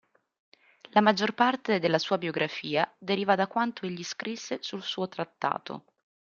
La maggior parte della sua biografia deriva da quanto egli scrisse sul suo trattato.